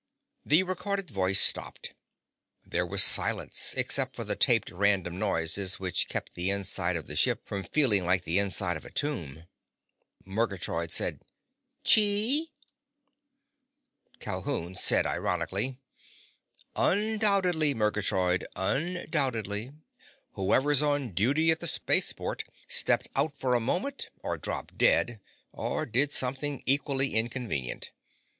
The recorded voice stopped. There was silence except for the taped random noises which kept the inside of the ship from feeling like the inside of a tomb. Murgatroyd said: "Chee?" Calhoun said ironically, "Undoubtedly, Murgatroyd. Undoubtedly! Whoever's on duty at the spaceport stepped out for a moment, or dropped dead, or did something equally inconvenient.